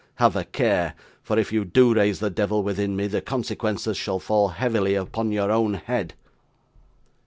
Have a care; for if you do raise the devil within me, the consequences shall fall heavily upon your own head!